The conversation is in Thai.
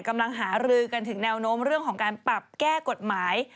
กำลังหารือกันถึงแนวโน้มเรื่องของการปรับแก้กฎหมาย